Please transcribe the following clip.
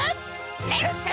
レッツ！